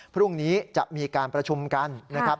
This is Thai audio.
พรุ่งนี้จะมีการประชุมกันนะครับ